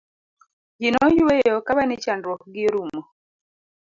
ji noyueyo kawe ni chandruok gi orumo